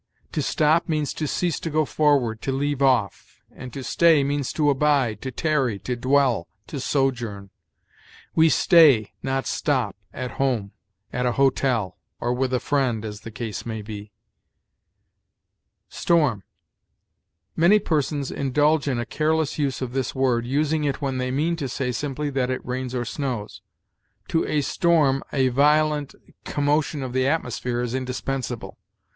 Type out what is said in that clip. To stop means to cease to go forward, to leave off; and to stay means to abide, to tarry, to dwell, to sojourn. We stay, not stop, at home, at a hotel, or with a friend, as the case may be. STORM. Many persons indulge in a careless use of this word, using it when they mean to say simply that it rains or snows. To a storm a violent commotion of the atmosphere is indispensable.